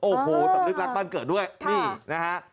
โอ้โหสำนึกรักบ้านเกิดด้วยนี่นะฮะ